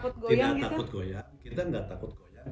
tidak takut goyang kita tidak takut goyang